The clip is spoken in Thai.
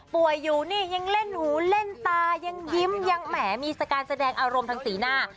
อยู่นี่ยังเล่นหูเล่นตายังยิ้มยังแหมมีการแสดงอารมณ์ทางสีหน้า